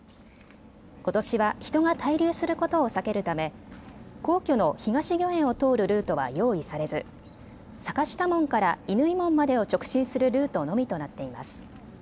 ことしは人が滞留することを避けるため皇居の東御苑を通るルートは用意されず坂下門から乾門までを直進するルートのみとなっています。